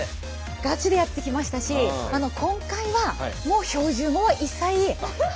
ガチでやってきましたし今回はもう標準語は一切やめで。